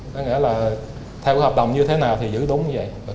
đó nghĩa là theo hợp đồng như thế nào thì giữ đúng như vậy